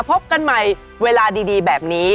พบกันใหม่เวลาดีแบบนี้